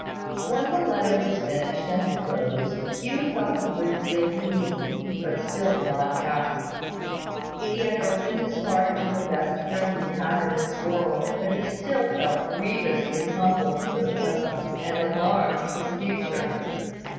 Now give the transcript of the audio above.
When the letter was finished and closed, Hugh felt a good deal relieved: but still not happy. He had opened his heart to the best friend he had in this world: but he still felt grievously humbled for the present, and alarmed for the future.